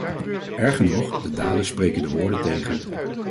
Erger nog: de daden spreken de woorden tegen.